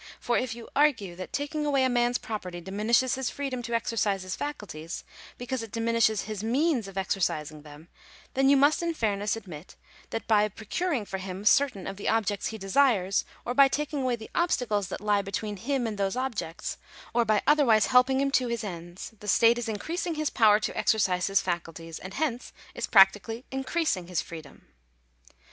For if you argue that taking away a man's property diminishes his freedom to exercise his faculties, because it diminishes his means of exercising them, then you must in fairness admit, that by procuring for him certain of the objects he desires, or by taking away the* obstacles that he between him and those objects, or by otherwise helping him to his ends, the state is increasing his power to exercise his faculties, and hence is practically increasing his freedom.